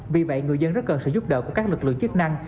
vì vậy người dân rất cần sự giúp đỡ của các lực lượng chức năng